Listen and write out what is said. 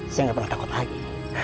saya nggak pernah takut lagi